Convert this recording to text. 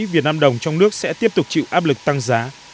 việt nam đồng trong nước sẽ tiếp tục chịu áp lực tăng giá